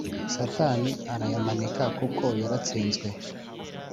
Satani arayamanika kuko yaratsinzwe